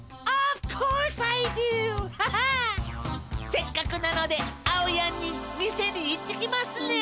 せっかくなのであおやんに見せにいってきますね。